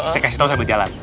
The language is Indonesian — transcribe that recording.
saya kasih tahu sambil jalan